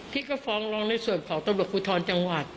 พี่ฟ้องรองในส่วนของตรงดนตรกฤทธิ์ธรณจังหวัด